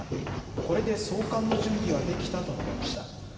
これで送還の準備はできたと述べました。